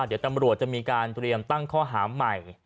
เดี๋ยวตำรวจจะมีการเตรียมตั้งข้อหาใหม่